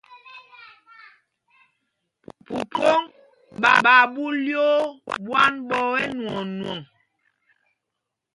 Phúphōŋ ɓaa ɓu lyoo ɓwán ɓɔ̄ɔ̄ ɛnwɔɔnwɔŋ.